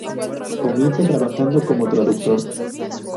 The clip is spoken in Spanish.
Comienza trabajando como traductor.